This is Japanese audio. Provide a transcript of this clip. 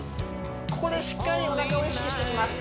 ここでしっかりおなかを意識していきます